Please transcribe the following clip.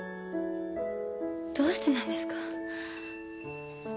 どうしてなんですか？